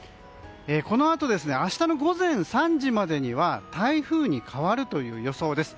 このあと明日の午前３時までには台風に変わるという予想です。